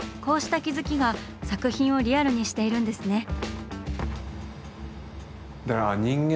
こうした気付きが作品をリアルにしているんですね。